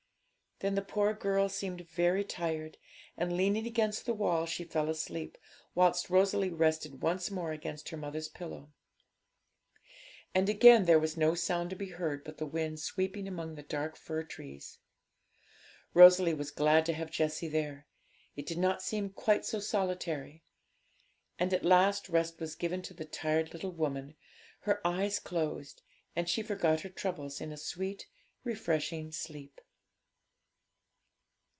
Then the poor girl seemed very tired, and, leaning against the wall she fell asleep, whilst Rosalie rested once more against her mother's pillow. And again there was no sound to be heard but the wind sweeping among the dark fir trees. Rosalie was glad to have Jessie there; it did not seem quite so solitary. And at last rest was given to the tired little woman; her eyes closed, and she forgot her troubles in a sweet, refreshing sleep.